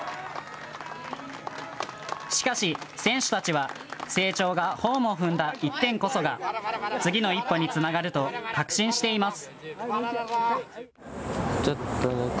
しかし選手たちは青鳥がホームを踏んだ１点こそが次の一歩につながると確信しています。